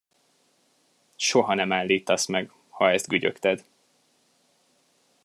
Soha nem állítasz meg, ha ezt gügyögted.